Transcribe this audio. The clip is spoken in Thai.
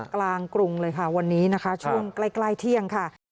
กรุงเลยค่ะวันนี้นะคะช่วงใกล้เที่ยงค่ะ